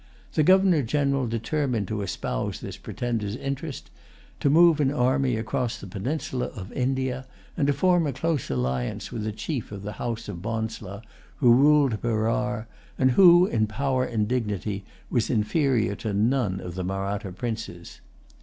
The Governor General determined to espouse this pretender's[Pg 166] interest, to move an army across the peninsula of India, and to form a close alliance with the chief of the house of Bonsla, who ruled Berar, and who, in power and dignity, was inferior to none of the Mahratta princes.